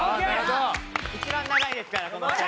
一番長いですからこの２人。